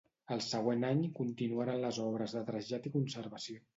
El següent any continuaren les obres de trasllat i conservació.